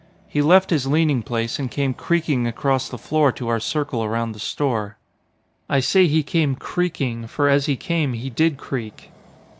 He left his leaning place, and came creaking across the floor to our circle around the store. I say he came "creaking" for as he came he did creak.